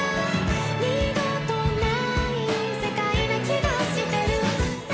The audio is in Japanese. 「二度とない世界な気がしてる」